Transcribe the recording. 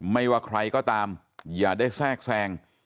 ไม่ว่าใครก็ตามอย่าได้แทรกแทรง